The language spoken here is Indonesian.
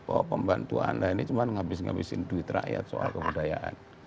bahwa pembantu anda ini cuma ngabis ngabisin duit rakyat soal kebudayaan